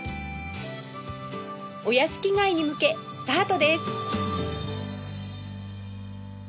お屋敷街に向けスタートです